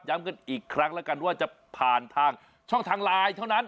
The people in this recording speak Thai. กันอีกครั้งแล้วกันว่าจะผ่านทางช่องทางไลน์เท่านั้น